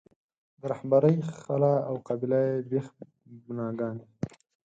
د رهبرۍ خلا او قبیله یي بېخ بناګانې.